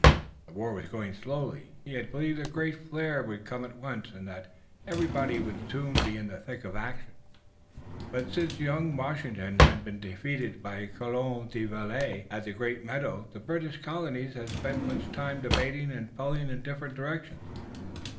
The war was going slowly. He had believed a great flare would come at once and that everybody would soon be in the thick of action, but since young Washington had been defeated by Coulon de Villiers at the Great Meadows the British Colonies had spent much time debating and pulling in different directions.